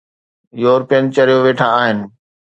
European چريو ويٺا آهن.